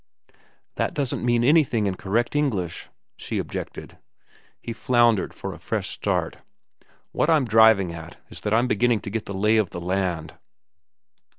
"That doesn't mean anything in correct English," she objected. He floundered for a fresh start. "What I'm driving at is that I'm beginning to get the lay of the land."